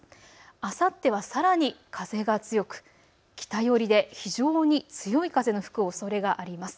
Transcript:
あさってはさらに風が強く北寄りで非常に強い風の吹くおそれがあります。